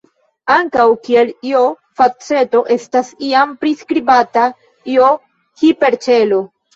Ankaŭ, kiel "j"-faceto estas iam priskribata "j"-hiperĉelo.